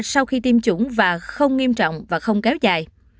sau khi tiêm chủng và không nghiêm trọng và không kéo dài